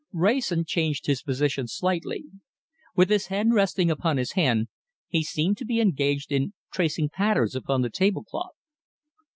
Wrayson changed his position slightly. With his head resting upon his hand, he seemed to be engaged in tracing patterns upon the tablecloth.